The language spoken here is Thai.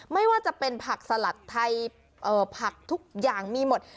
ไม่ว่าจะเป็นผักสลัดไทยผักทุกอย่างมีหมด